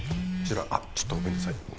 ちょっとごめんなさい。